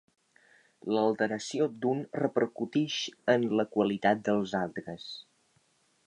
L'alteració d'un repercutix en la qualitat dels altres.